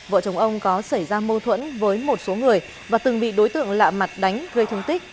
vợ chồng ông có xảy ra mâu thuẫn với một số người và từng bị đối tượng lạ mặt đánh gây thương tích